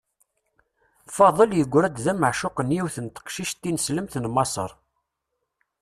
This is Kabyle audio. Faḍel yegra-d d ameεcuq n yiwet n teqcict timeslemt n Maṣer.